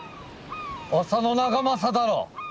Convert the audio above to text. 浅野長政だろ！？